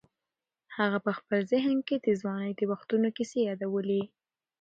هغه په خپل ذهن کې د ځوانۍ د وختونو کیسې یادولې.